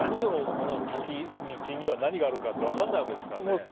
この道の先には何があるかって分からないわけですから。